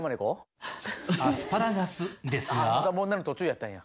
まだ問題の途中やったんや。